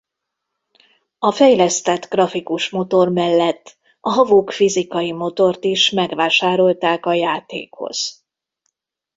A fejlesztett grafikus motor mellett a Havok fizikai motort is megvásárolták a játékhoz.